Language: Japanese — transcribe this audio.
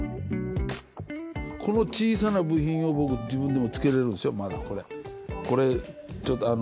この小さな部品を僕自分でもつけられるんですよ